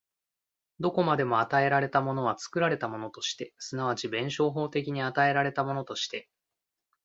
どこまでも与えられたものは作られたものとして、即ち弁証法的に与えられたものとして、